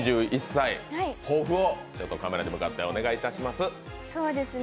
２１歳、抱負をカメラに向かってお願いします。